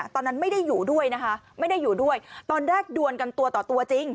ตอนนั้นไม่ได้อยู่ด้วยนะคะไม่ได้อยู่ด้วยตอนแรกดวนกันตัวต่อตัวจริง